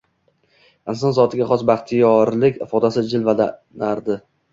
Inson zotiga xos baxtiyorlik ifodasi jilvalanardi.